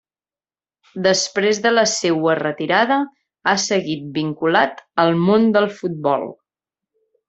Després de la seua retirada ha seguit vinculat al món del futbol.